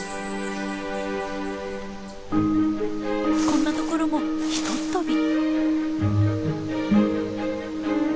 こんな所もひとっ飛び。